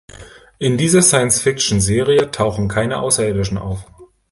In dieser Science-Fiction-Serie tauchen keine Außerirdischen auf.